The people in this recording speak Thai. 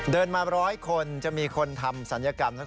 เดินมาร้อยคนจะมีคนทำศัลยกรรมทั้ง๓๐คน